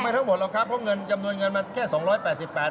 ทั้งหมดหรอกครับเพราะเงินจำนวนเงินมาแค่๒๘๘บาท